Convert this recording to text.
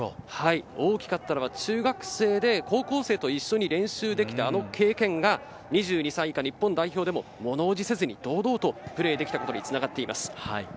大きかったのは中学生で、高校生と一緒に練習できたあの経験が２２歳以下日本代表でも物怖じせずに堂々とプレーできたことにつながっています。